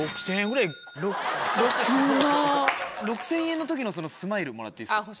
６０００円の時のそのスマイルもらっていいですか？